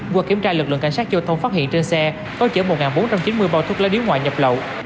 qua kiểm tra lực lượng cảnh sát giao thông phát hiện trên xe có chở một bốn trăm chín mươi bao thuốc lá điếu ngoại nhập lậu